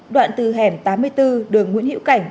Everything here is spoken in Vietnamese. đoạn từ hẻm tám mươi bốn đường nguyễn hữu cảnh